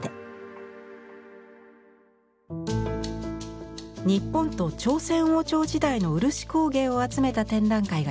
日本と朝鮮王朝時代の漆工芸を集めた展覧会が開かれています。